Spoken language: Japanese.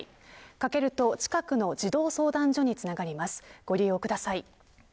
かけると近くの児童相談所につながります。